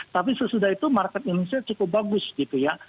tapi sesudah itu market indonesia cukup bagus gitu ya